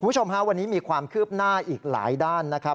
คุณผู้ชมฮะวันนี้มีความคืบหน้าอีกหลายด้านนะครับ